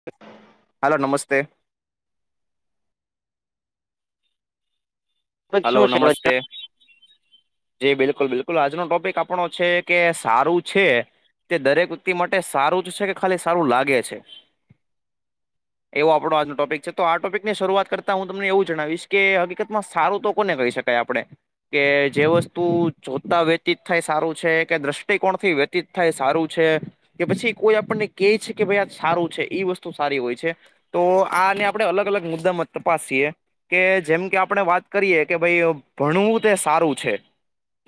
[inaudible] Hello, નમસ્તે topic hello, શું છે આપણો? નમસ્તે [inaudible] જી બિલકુલ બિલકુલ આજનો ટોપિક આપણો છે કે, સારું છે તે દરેક વ્યક્તિ માટે સારું જ છે કે ખાલી સારું લાગે છે. [inaudible] એવો આપણો આજનો ટોપિક છે તો આ ટોપિકની શરૂઆત કરતા હું તમને એવું જણાવીશ કે હકીકતમાં સારું તો કોને કહી શકાય આપણે. કે જે વસ્તુ જોતા વ્યતીત થાય સારું છે કે દ્રષ્ટિકોણ થી [unintelligible] થાય સારું છે. કે પછી કોઈ આપણને કે છે કે ભાઈ આ સારું છે. એ વસ્તુ સારી હોય છે. તો આને આપણે અલગ અલગ મુદ્દામાં તપાસીએ કે જેમ કે આપણે વાત કરીએ કે ભાઈ ભણવું તે સારું છે.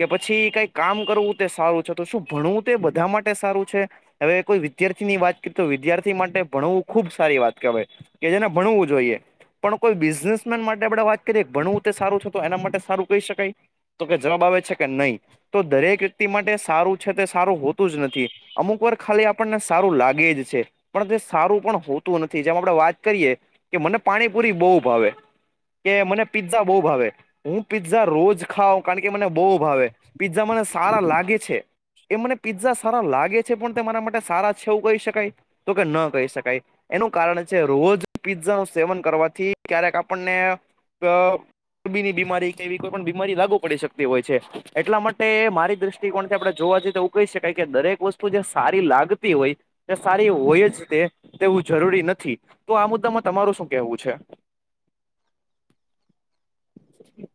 કે પછી કઈ કામ કરવું તે સારું છે તો શું ભણવું તે બધા માટે સારું છે. હવે કોઈ વિદ્યાર્થીની વાત કરી તો વિદ્યાર્થી માટે ભણું ખુબ સારી વાત કહેવાય. કે જેને ભણવું જોઈએ, પણ કોઈ બિઝનેસમેન માટે આપે વાત કરીએ ભણવું તે સારું છે. એ માટે સારું કહી શકાય તો કે જવાબ આવે છે કે નઈ. તો દરેક વ્યક્તિ માટે સારું છે તે એ સારું હોતું જ નથી. અમુક વાર ખાલી આપણને સારું લાગે જ છે. પણ તે સારું પણ હોતું નથી, જેમ આપણે વાત કરીએ કે મને પાણીપુરી બહુ ભાવે કે મને પીઝ્ઝા બહુ ભાવે હું પીઝા રોજ ખાઉ કારણ કે મને બહુ ભાવે પીઝા મને સારા લાગે છે. એ મને પિઝ્ઝા સારા લાગે છે, પણ તે મારા માટે સારા છે એવું કહી શકાય. તો કે ન કહી શકાય એનું કારણ છે, રોજ પિઝ્ઝા નું સેવન કરવાથી ક્યારેક આપણને [unintelligible] બીપિ ની બીમારી કે એવી કોઈ પણ બીમારી લાગુ પડી શકતી હોય છે, એટલા માટે મારી દ્રષ્ટિકોણથી આપણે જોવા જઈએ તો કહી શકાય કે દરેક વસ્તુ જે સારી લાગતી હોય. તે સારી હોય જ તે તેવું જરૂરી નથી તો આ મુદ્દામાં તમારું શું કેહેવું છે. એમ [inaudible]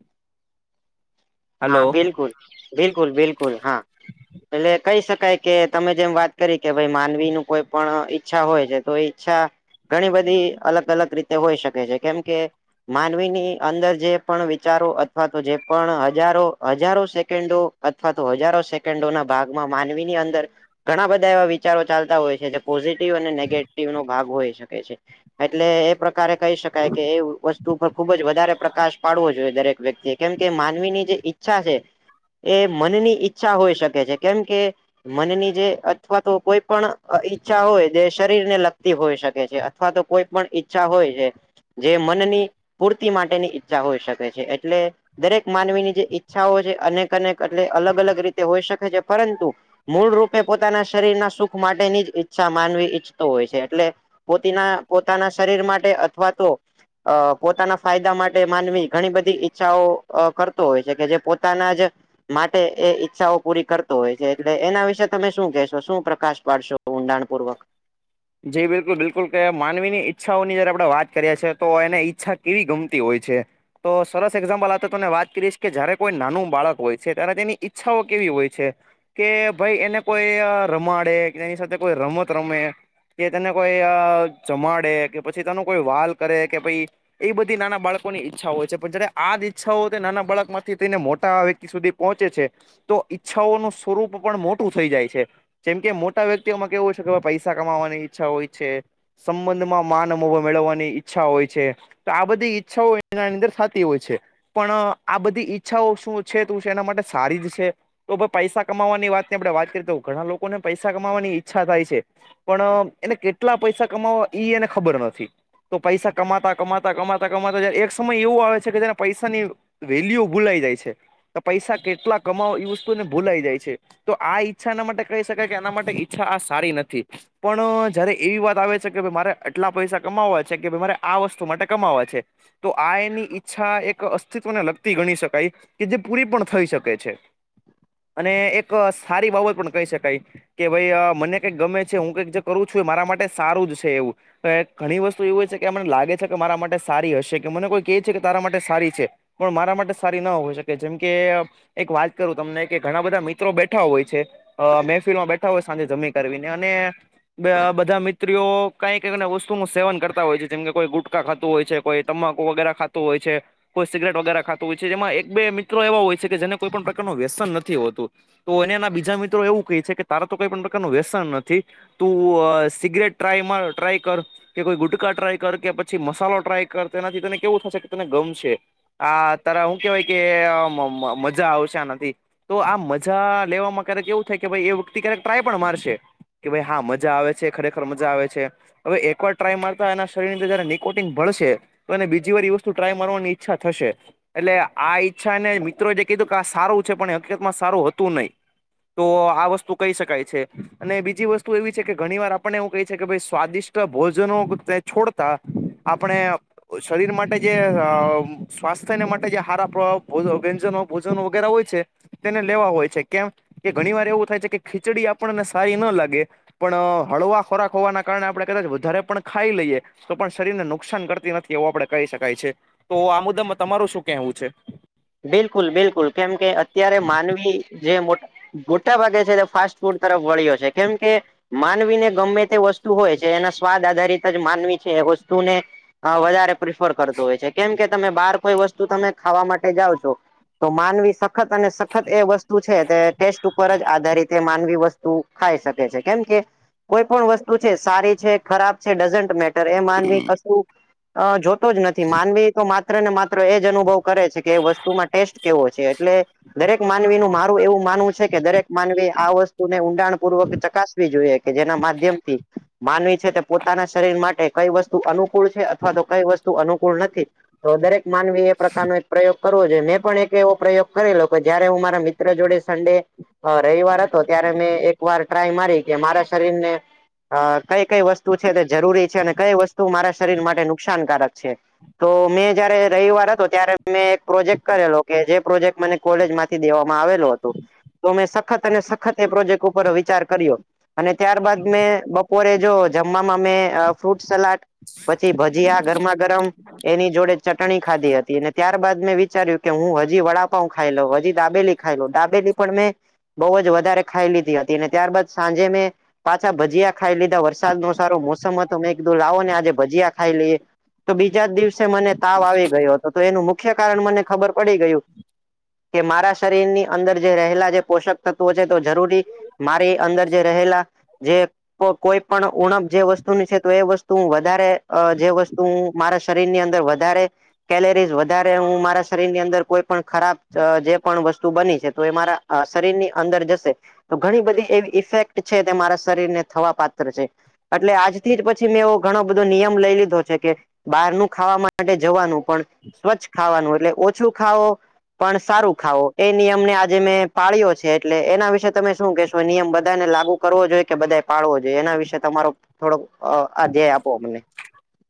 હા, હલો બિલકુલ બિલકુલ બિલકુલ હા એટલે કહી શકાય કે તમે જેમ વાત કરી કે ભાઈ માનવીનું કોઈ પણ ઈચ્છા હોય છે, તો એ ઇચ્છા ઘણી બધી અલગ અલગ રીતે હોઈ શકે છે, કેમ કે માનવીની અંદર જે પણ વિચારો અથવા તો જે પણ હજારો, હજારો સેકન્ડો અથવા તો હજારો સેકન્ડો ના ભાગમાં માનવીની અંદર ઘણા બધા એવા વિચારો ચાલતા હોય છે જે પોઝિટિવ અને નેગેટિવ નો ભાગ હોય શકે છે. એટલે એ પ્રકારે કહી શકાય કે એ વસ્તુ પર ખુબજ વધારે પ્રકાશ પાડવો જોઈએ, દરેક વ્યક્તિ કેમકે માનવીની જે ઈચ્છા છે એ મનની ઈચ્છા હોઈ શકે છે, કેમ કે મનની જે અથવા તો કોઈ પણ ઈચ્છા હોય જે શરીર ને લગતી હોય શકે છે. અથવા તો કોઈ પણ ઈચ્છા હોય છે. જે મનની પૂર્તિ માટેની ઈચ્છા હોઈ શકે છે, એટલે દરેક માનવીની જે ઈચ્છાઓ છે અનેક અનેક એટલે અલગ અલગ રીતે હોઈ શકે છે પરંતુ મૂળ રૂપે પોતાના શરીરના સુખ માટેની જ ઈચ્છા માનવી ઈચ્છતો હોય છે એટલે પોતીના પોતાના શરીર માટે અથવા તો અહ પોતાના ફાયદા માટે માનવી ઘણી બધી ઈચ્છાઓ અહ કર તો હોય છે કે જે પોતાના જ માટે એ ઈચ્છાઓ પૂરી કર હોય છે એટલે એના વિશે તમે શું કહેશો શું પ્રકાશ પાડશો ઊંડાણપૂર્વક જે બિલકુલ બિલકુલ કે માનવી ની ઈચ્છાઓની જ્યારે આપડે વાત કર્યા છે તો એને ઈચ્છા કેવી ગમતી હોય છે. તો સરસ એક્ઝામ્પલ આપ તને વાત કરીશ કે જયારે કોઈ નાનું બાળક હોય છે ત્યારે તેની ઈચ્છાઓ કેવી હોય છે કે ભાઈ એને કોઈ અહ રમાડે કે એની સાથે કોઈ રમત રમે કે તેને કોઈ અહ ચમાડે કે પછી કોઈ વાલ કરે પહિ એ બધી નાના બાળકો ની ઈચ્છા હોય છે પણ જયારે આ જ ઈચ્છાઓય તો નાના બાળક માંથી થઈને મોટા વ્યક્તિ સુધી પહોંચે છે તો ઈચ્છાઓનું સ્વરૂપ પણ મોટું થઈ જાય છે. જેમ કે મોટા વ્યક્તિઓમાં કેવુંય છે કે પૈસા કમાવાની ઈચ્છા હોય છે. સંબંધમાં માન મોહ મેળવવાની ઈચ્છા હોય છે. તો આ બધી ઈચ્છાઓ એના અંદર થાતી હોય છે. પણ અહ આ બધી ઈચ્છાઓ શું છે તું એના માટે સારી જ છે તો ભાઈ પૈસા કમાવાની વાતની આપણે વાત કરીએ તો ઘણા લોકોને પૈસા કમાવાની ઈચ્છા થાય છે. પણ અહ એને કેટલા કમાવવા ઈ એને ખબર નથી. તો પૈસા કમાતા કમાતા કમાતા કમાતા જ્યારે એક સમય એવું આવે છે કે જેને પૈસાની વેલ્યુ ભૂલાઈ જાય છે. તો પૈસા કેટલા કમાવો એ વસ્તુને ભૂલાઈ જાય છે. તો આ ઈચ્છા એના માટે કહી શકાય કે એના માટે ઈચ્છા આ સારી નથી પણ જયારે એવી વાત આવે છે કે ભાઈ મારે આટલા પૈસા કમાવા છે કે ભાઈ મારે આ વસ્તુ માટે કમાવા છે. તો આ એની ઈચ્છા એક અસ્તિત્વને લગતી ગણી શકાય કે જે પૂરી પણ થઈ શકે છે અને એક સારી બાબત પણ કહી શકાય કે ભાઈ અહ મને કંઈક ગમે છે હું કઈક જે કરું છું એ મારા માટે સારું જ છે એવું. એ ઘણી વસ્તુ એવું હોય છે કે મને લાગે છે કે મારા માટે સારી હશે કે મને કોઈ કે છે કે તારા માટે સારી છે. પણ મારા માટે સારી ના હોય શકે જેમ કે એક વાત કરું તમને કે ઘણા બધા મિત્રો બેઠા હોય છે. અહ મહેફિલ માં બેઠા હોય સાંજે જમી કરને અને બ-બધા મિત્રીઓ કઈ કઈ વસ્તુનુંું સેવન કરતા હોય છે જેમ કે કોઈ ગુટકાા ખાતું હોય છે કોઈ તમાકુ વગેરે ખાતું હોય છે. કોઈ સિગરેટ વગેરે ખાતું હોય છે જેમાં એક બે મિત્રો એવા હોય છે કે જેને કોઈ પણ પ્રકારનું વ્યસન નથી હોતું. તો એ બીજા એવું કહે છે કે તારા તો કઈ પણ પ્રકારનું વ્યસન નથી. તું અહ સિગરેટ ટ્રાય માર ટ્રાય કર કે કોઈ ગુટકા ટ્રાય કર કે પછી મસાલો ટ્રાય કર તેનાથી તને કેવું થશે કે તને ગમશે. હા ત્યારે હું કેવાય કે અહ મ-મજા આવશે આનાથી. તો આ મજા લેવામાં ક્યારેક એવું થાય કે ભાઈ એ વ્યક્તિ ક્યારેક ટ્રાય પણ મારશે કે ભાઈ હા મ મજા આવે છે ખરેખર મજા આવે છે હવે એકવાર ટ્રાય મારતા એના શરીર ની અંદર જયારે નિકોટિંગ ભળશે તો એને બીજી વાર વસ્તુ ટ્રાય મારવાની ઈચ્છા થશે. એટલે આ ઈચ્છા ને મિત્રો જે કીધું કે આ સારું છે પણ એ હકીકતમાં સારું હતું નહી. તો આ વસ્તુ કહી શકાય છે અને બીજી વસ્તુ એવી છે કે ઘણી વાર આપણને એવું કહે છે કે ભઈ સ્વાદિષ્ટ ભોજનો છોડતા આપણે શરીર માટે જે અહ સ્વાસ્થ્યને માટે જે હારા પ્રવાહ વ્યંજનો ભોજનો વગેરે હોય છે તેને લેવા હોય છે કેમ કે ઘણી વાર એવું થાય છે કે ખીચડી આપણને સારી ના લાગે પણ અહ હળવા ખોરાક હોવાના કારણે આપણે કદાચ વધારે પણ ખાઈ લઈએ. તો પણ શરીર ને નુકસાન કરતી નથી એવું આપડે કહી શકાય છે તો આ મુદ્દામાં તમારું શું કેહેવું છે. બિલકુલ બિલકુલ કેમ કે અત્યારે માનવી જે મોટ મોટા ભાગે છે ફાસ્ટ ફૂડ તરફ વળ્યો છે કેમ કે, માનવી ને ગમે તે વસ્તુ હોય છે એના સ્વાદ આધારિત જ માનવી છે એ વસ્તુને હા વધારે પ્રફ્રેર કરતુ હોય છે કેમ કે તમે બાર કોઈ વસ્તુ તમે ખાવા માટે જાવ છો તો માનવી શક્તિ સખત અને સખત એ વસ્તુ છે તે ટેસ્ટ ઉપર જ આધારિત માનવી વસ્તુ ખાઈ શકે છે કેમ કે કોઈ પણ વસ્તુ છે સારી છે ખરાબ છે ડઝન મેટર એ માનવી કશું અ જોતો જ નથી માનવી તો માત્ર માત્ર ને માત્ર અનુભવ કરેછે કે વસ્તુમાં ટેસ્ટ કેવો છે એટલે દરેક માનવી નું મારું એવું માનવું છે કે દરેક માનવી આ વસ્તુને ઊંડાણ પૂર્વક ચકાસવી જોઈએ કે જેના માધ્યમ થી છે કે પોતાના શરીર કઈ વસ્તુ અનુકૂળ છે અથવા તો કઈ વસ્તુ અનુકૂળ નથી તો દરેક માનવી એ પ્રકારનો પ્રયોગ કરવો જોઈએ મે પણ એક એવો પ્રયોગ કરીલો કે જયારે હું મારા મિત્ર જોડે સંડે હ રવિવાર હતો ત્યારે મેં એક વાર ટ્રાય મારી કે મારા શરીર ને અ કઈ કઈ વસ્તુ છે તે જરૂરી છે અને કઈ વસ્તુ મારા શરીર માટે નુકસાનકારક છે. તો મેં જયારે રવિવાર હતો ત્યારે મેં એક પ્રોજેક્ટ કરેલો કે જે પ્રોજેક્ટ મને કોલેજ માંથી દેવામાં આવેલું હતું તો મેં સખત અને સખત એ પ્રોજેક્ટ ઉપર વિચાર કર્યો અને ત્યારબાદ મેં બપોરે જો જમવામાં મેં ફ્રૂટ સલાડ પછી ભજીયા ગરમા ગરમ એની જોડે ચટણી ખાધી હતી ને ત્યારબાદ મેં વિચાર્યું કે હું હજી વડાપાઉં ખાઈ લઉં હજી દાબેલી ખાઈ લઉં દાબેલી પણ મેં બહુ જ વધારે ખાઈ લીધી હતી અને ત્યારબાદ સાંજે મેં પાછા ભજીયા ખાઈ લીધા વરસાદ નો સારો મોસમ હતો મે કિધુ લાવો ને આજે ભજીયા ખાઈ લઈએ તો બીજા જ દિવસે મને તાવ આવી ગયો હતો. તેનું મુખ્ય કારણ મને ખબર પડી ગયું કે, મારા શરીરની અંદર જે રહેલા જે પોષક તત્વો છે તો જરૂરી મારી અંદર જે રહેલા જે કોઈ પણ ઉણપ જે વસ્તુની છે તો એ વસ્તુ હું વધારે અ જે વસ્તુ મારા શરીરની અંદર વધારે કેલરીઝ વધારે હું મારા શરીર ની અંદર કોઈ પણ ખરાબ જે પણ વસ્તુ બની છે તો એ મારા શરીર ની અંદર જશે. તો ઘણી બધી એવી ઇફેક્ટ છે તે મારા શરીર ને થવા પાત્ર છે. એટલે આજથી જ પછી મેં એવો ઘણો બધો નિયમ લઈ લીધો છે કે, બહારનું ખાવા માટે જવાનું પણ સ્વચ્છ ખાવાનું એટલે ઓછું ખાવો. પણ સારું ખાવો એ નિયમ ને આજે મેં પાળ્યો છે એટલે એના વિશે તમે શું કેશો એ નિયમ બધાને લાગુ. કરવો જોઈએ કે બધા પાડવો જોઈએ એના વિશેે તમારો થોડોક અ આધ્યેય આપો અમને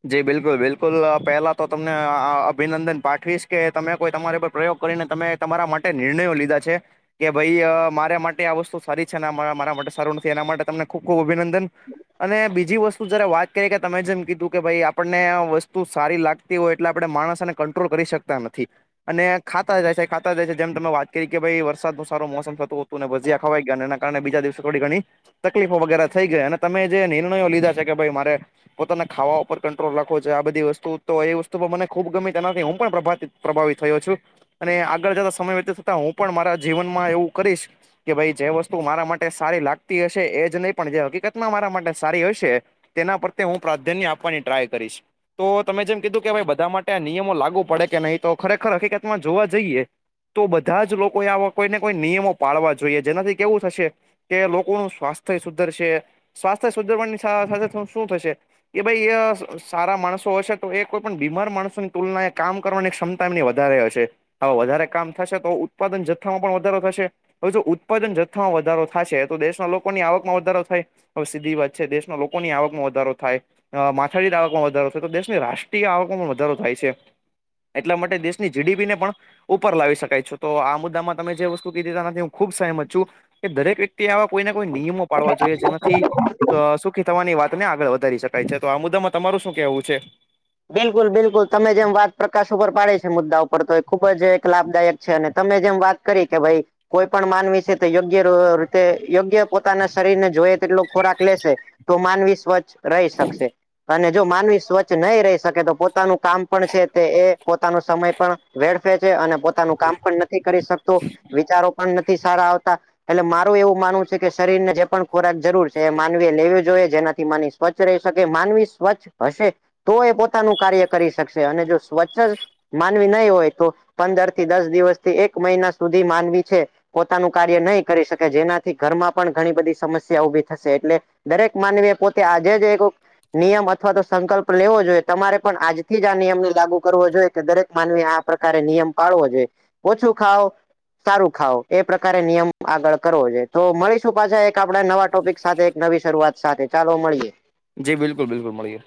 જી બિલકુલ બિલકુલ પહેલાં તો તમને અભિનંદન પાઠવીશ કે તમે કોઈ તમારા પર પ્રયોગ કરીને તમે તમારા માટે નિર્ણયો લીધા છે. કે ભાઈ અ મારા માટે આ વસ્તુ સારી છેને મારા માટે સારું નથી એના માટે તમને ખુબ ખુબ અભિનંદન અને બીજી વસ્તુ જયારે વાત કરીએ કે તમે જેમ કીધું. પઈ આપણને આ વસ્તુ સારી લાગતી હોય એટલે આપણે માણસને કંટ્રોલ કરી શકતા નથી અને ખાતા જાય છે ખાતા જાય છે જેમ તમે વાત કરી કે ભાઈ વરસાદ ન સારો મોસમ થતુ ત ભજીયા ખવાઈ ગયા એના કારણે બીજા દિવસે થોડી ઘણી તકલીફો વગેરે થઈ ગયા અને તમે જે નિર્ણયો લીધા છે કે ભાઈ મારે પોતાના ખાવા ઉપર કંટ્રોલ રાખો છે આ બધી વસ્તુ તો એ વસ્તુ મને ખુબ ગમી તેનાથી હું પણ પ્રભ પ્રભાવિત થયો છું અને આગળ જતા સમય વ્યથિત થતા હું પણ મારા જીવનમાં એવું કરીશ કે ભાઈ જે વસ્તુ મારા માટે સારી લાગતી હશે એ જ નહી પણ જે હકીકતમાં મારા માટે સારી હશે તેના પ્રત્યે હું પ્રાધાન્ય આપવાની ટ્રાય કરીશ. તો તમે જેમ કીધું કે બધા માટે આ નિયમો લાગુ પડે કે નહી તો ખરેખર હકીકતમાં જોવા જઈએ તો બધા જ લોકોએ આવા કોઈને કોઈ નિયમો પાળવા જોઈએ જેનાથી કેવું થશે કે લોકોનું સ્વાથ્ય સુધરશે. સ્વાસ્થ્ય સુધારવાની સા સાથે શું થશે? કે ભાઈ સારા માણસો હશે તો એ કોઈ પણ બીમાર માણસોની તુલનાએ કામ કરવાની ક્ષમતા એમની વધારે હશે. આવ વધારે કામ થશે તો ઉત્પાદન જથ્થામાં પણ વધારો થશે. હવે જો ઉત્પાદન જથ્થામાં વધારો થાશે તો દેશના લોકોની આવકમાં વધારો થાય. હવે સીધી વાત છે દેશના લોકોની આવકમાં વધારો થાય અ મા થાદીઠ આવકમાં વધારો થાય તો દેશની રાષ્ટ્રીય આવકમાં વધારો થાય છે. એટલા માટે દેશની જીડીપીને પણ ઉપર લાવી શકાય છું તો આ મુદ્દામાં તમે જે વસ્તુ કીધીથી હું ખુબ સહમત છું કે દરેક વ્ય ક્તિ આવા કોઈ ના કોઈ નિયમો પાડવા જોઈએ જેનાથી સુખી થવાની વાતને આગળ વધારી શકાય છે તો આ મુ દ્દામાં તમારું શું કેવું છે? બિલકુલ-બિલકુલ તમે જેમ વાત પ્રકાશ ઉપર પાડે છે મુદ્દા ઉપર તો એ ખુબ જ એક લાભદાયક છે અને તમે જેમ વાત કરી કે ભાઈ, કોઈ પણ માનવી છે તો યોગ્ય રીતે યોગ્ય પોતાના શરીરને જોઈ તેટલો ખોરાક લેશે. તો માનવી સ્વચ્છ રહી શકશે અને જો માનવી સ્વચ્છ નહીં રહી શકે તો પોતાનું કામ પણ છે તે એ પોતાનો સમય પણ વેડફે છે અને પોતાનું કામ પણ નથી કરી શકતો. વિચારો પણ નથી સારા આવતા. એલે મારું એવું માનવું છે કે શરીરને જે પણ ખોરાક જરૂર છે એ માનવી લેવી જોઈએ જેના થી માની સ્વચ્છ રહી શકે માનવી સ્વચ્છ હશે તો એ પોતાનું કાર્ય કરી શકશે અને જો સ્વચ્છ જ માનવી નહીં હોય તો પંદર થી દસ દિવસથી એક મહિના સુધી માનવી છે પોતાનું કાર્ય નહી કરી શકે જેનાથી ઘરમાં પણ ઘણી બધી સમસ્યા ઉભી થશે એટલે દરેક માનવીએ પોતે આજે જ એક નિયમ અથવા તો સંકલ્પ લેવો જોઈએ. તમારે પણ આજથી જ આ નિયમને લાગુ કરવો જોઈએ કે દરેક માનવી આ પ્રકારે નિયમ પાળવો જોઈએ. ઓછું ખાઓ, સારું ખાવ એ પ્રકારે નિયમ આગળ કરવો જોઈએ તો મળીશું પાછા એક આપડા નવા ટોપિક સાથે નવી શરૂઆત સાથે ચાલો મળીએ. જી બિલકુલ બિલકુલ મળીએ.